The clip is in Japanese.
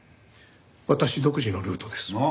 私独自のルートです。